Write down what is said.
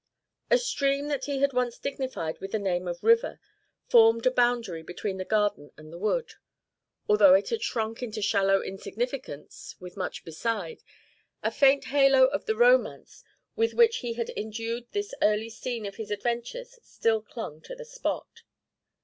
A stream that he had once dignified with the name of river formed a boundary between the garden and the wood. Although it had shrunk into shallow insignificance, with much beside, a faint halo of the romance with which he had endued this early scene of his adventures still clung to the spot.